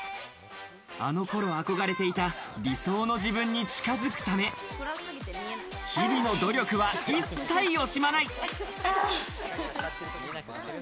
あの頃、憧れていた理想の自分に近づくため、日々の努力は一切惜しまない。